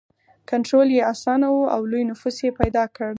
کنټرول یې اسانه و او لوی نفوس یې پیدا کړ.